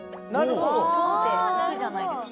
ポンッていくじゃないですか？